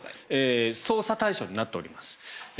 捜査対象になっております。